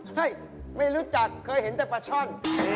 ไม่รู้จักเคยเห็นแต่ปลาช่อน